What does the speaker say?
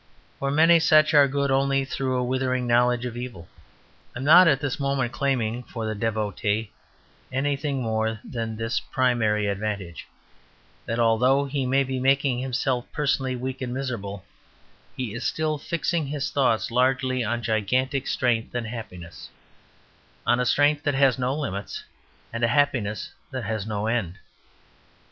For many such are good only through a withering knowledge of evil. I am not at this moment claiming for the devotee anything more than this primary advantage, that though he may be making himself personally weak and miserable, he is still fixing his thoughts largely on gigantic strength and happiness, on a strength that has no limits, and a happiness that has no end.